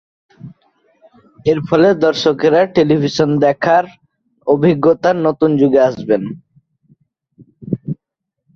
এর ফলে, দর্শকেরা টেলিভিশন দেখার অভিজ্ঞতার নতুন যুগে আসবেন।